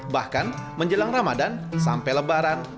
bahkan menjelang ramadan sampai lebaran